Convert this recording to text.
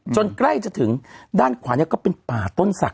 ใกล้จะถึงด้านขวานี้ก็เป็นป่าต้นศักดิ